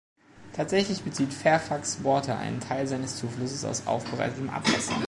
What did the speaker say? Tatsächlich bezieht Fairfax Water einen Teil seines Zuflusses aus aufbereitetem Abwasser.